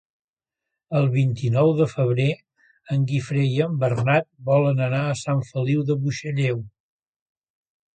El vint-i-nou de febrer en Guifré i en Bernat volen anar a Sant Feliu de Buixalleu.